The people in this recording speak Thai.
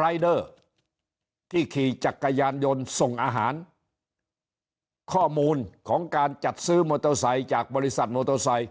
รายเดอร์ที่ขี่จักรยานยนต์ส่งอาหารข้อมูลของการจัดซื้อมอเตอร์ไซค์จากบริษัทมอเตอร์ไซค์